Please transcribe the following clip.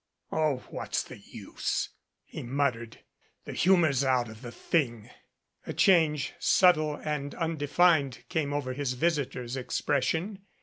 "Oh, what's the use?" he muttered. "The humor's out of the thing." 233 MADCAP A change, subtle and undefined, came over his visitor's expression.